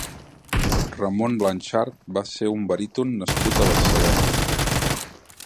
Ramon Blanchart va ser un baríton nascut a Barcelona.